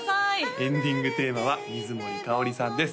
エンディングテーマは水森かおりさんです